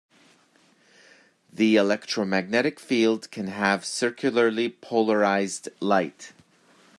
The electromagnetic field can have circularly polarized light.